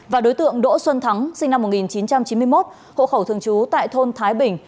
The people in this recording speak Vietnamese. và đối tượng đỗ xuân thắng sinh năm một nghìn chín trăm chín mươi một hộ khẩu thường trú tại thôn thái bình